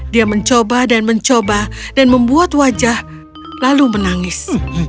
dia mencoba dan mencoba dan membuat wajah lalu menangis